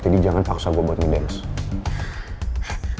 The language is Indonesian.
jangan paksa gue buat ngedance